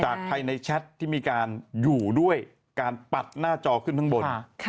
ภายในแชทที่มีการอยู่ด้วยการปัดหน้าจอขึ้นข้างบน